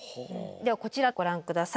こちらご覧下さい。